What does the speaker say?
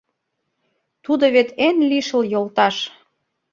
Тудо вет эн лишыл йолташ!